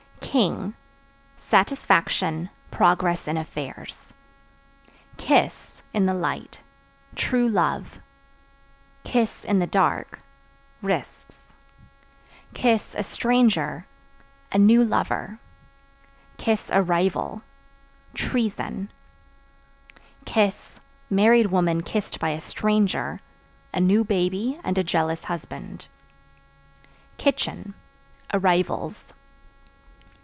King Satisfaction, progress in affairs. Kiss (In the light) true love; (in the dark) risks; (a stranger) a new lover; (a rival) treason; (married woman kissed by a stranger) a new baby and a jealous husband. Kitchen Arrivals.